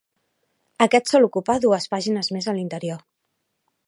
Aquest sol ocupar dues pàgines més a l'interior.